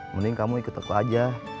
mending kamu ikut teku aja